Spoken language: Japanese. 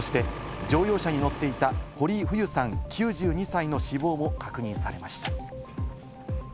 そして乗用車に乗っていた堀井フユさん、９２歳の死亡も確認されました。